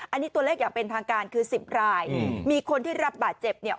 อันนี้ตัวเลขอย่างเป็นทางการคือสิบรายมีคนที่รับบาดเจ็บเนี่ย